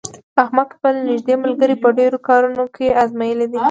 احمد خپل نېږدې ملګري په ډېرو کارونو کې ازمېیلي دي.